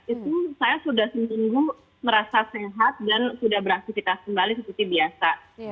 itu saya sudah seminggu merasa sehat dan sudah beraktivitas kembali seperti biasa